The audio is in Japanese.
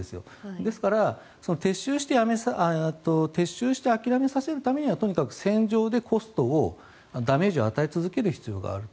ですから、撤収して諦めさせるためにはとにかく戦場でコストをダメージを与え続ける必要があると。